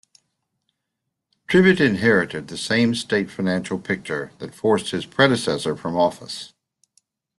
Tribbitt inherited the same state financial picture that forced his predecessor from office.